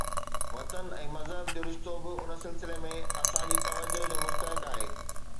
وطن ۽ مذهب جو رشتو به ان سلسلي ۾ اسان جي توجه جو مستحق آهي.